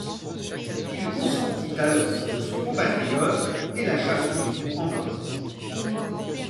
Il consentit à l’offre de son compatriote et l’achat se fit en commun.